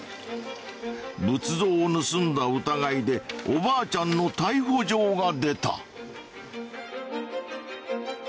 仏像を盗んだ疑いでおばあちゃんの逮捕状が出た。